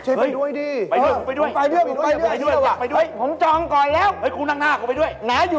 เจ๊ไปด้วยดีไปด้วย